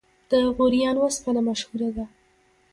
د غوریان وسپنه مشهوره ده